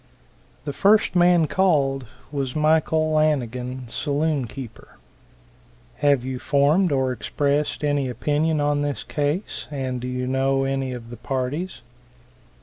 The first man called was Michael Lanigan, saloon keeper. "Have you formed or expressed any opinion on this case, and do you know any of the parties?"